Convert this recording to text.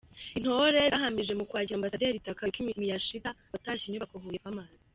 Intore zahamirije mu kwakira Ambasaderi Takayuki Miyashita watashye inyubako 'Huye Farmers' .